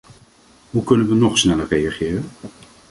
Hoe kunnen we nog sneller reageren?